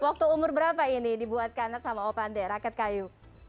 waktu umur berapa ini dibuatkan sama opande rakyat kayu